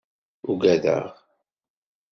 Ugadeɣ.